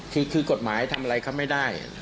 คือกฎหมายทำอะไรเขาไม่ได้